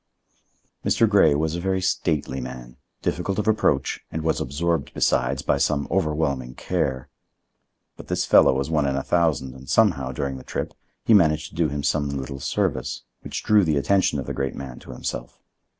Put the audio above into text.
Mr. Grey was a very stately man, difficult of approach, and was absorbed, besides, by some overwhelming care. But this fellow was one in a thousand and somehow, during the trip, he managed to do him some little service, which drew the attention of the great man to himself.